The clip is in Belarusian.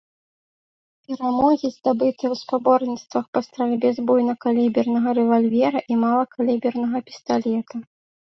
Перамогі здабытыя ў спаборніцтвах па стральбе з буйнакалібернага рэвальвера і малакалібернага пісталета.